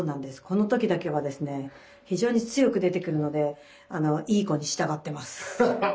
この時だけはですね非常に強く出てくるのでいい子に従ってます。